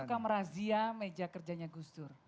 suka merazia meja kerjanya gus dur